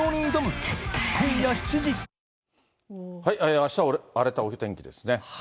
あしたは荒れたお天気ですね。